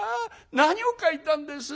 何を描いたんです？」。